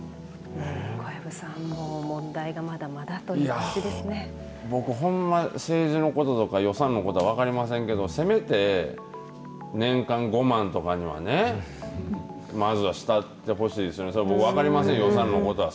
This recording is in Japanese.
小籔さん、問題がまだまだと僕、ほんま、政治のこととか予算のことは分かりませんけれども、せめて年間５万とかね、まずはしたってほしいですね、僕、分かりませんよ、予算のことは。